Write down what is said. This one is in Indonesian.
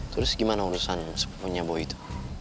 terus gimana urusan sepunya boy itu